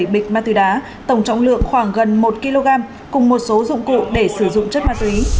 một bịch ma túy đá tổng trọng lượng khoảng gần một kg cùng một số dụng cụ để sử dụng chất ma túy